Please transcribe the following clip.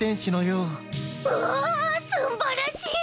うおすんばらしい！